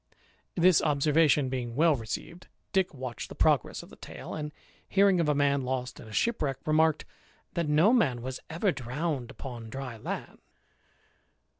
This observation being well received, Dick watched the progress of the tale; and hearing of a man lost in a shipwreck, remarked, " that no man was ever drowned upon dry land."